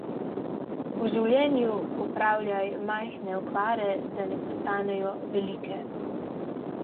V življenju popravljaj majhne okvare, da ne postanejo velike.